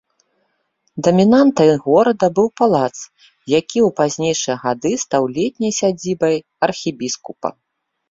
Дамінантай горада быў палац, які ў пазнейшыя гады стаў летняй сядзібай архібіскупа.